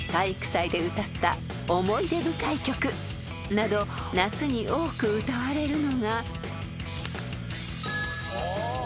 ［など夏に多く歌われるのが］